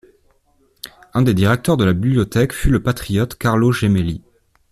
Un des directeurs de la bibliothèque fut le patriote Carlo Gemelli.